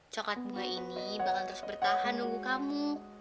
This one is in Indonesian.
coklat bunga ini bakal terus bertahan nunggu kamu